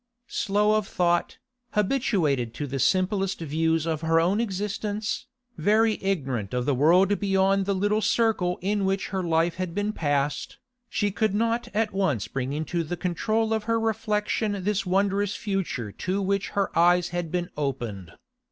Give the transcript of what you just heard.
Slow of thought, habituated to the simplest views of her own existence, very ignorant of the world beyond the little circle in which her life had been passed, she could not at once bring into the control of her reflection this wondrous future to which her eyes had been opened.